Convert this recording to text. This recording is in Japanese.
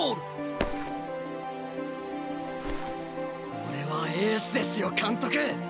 俺はエースですよ監督！